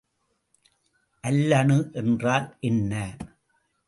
அல்லணு என்றால் என்ன?